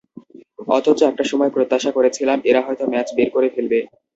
অথচ একটা সময় প্রত্যাশা করেছিলাম, এরা হয়তো ম্যাচ বের করে ফেলবে।